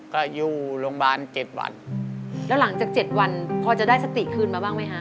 ก็อยู่โรงพยาบาลเจ็ดวันแล้วหลังจากเจ็ดวันพอจะได้สติคืนมาบ้างไหมคะ